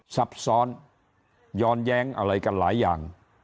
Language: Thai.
ซับซ้อนย้อนแย้งอะไรกันหลายอย่าง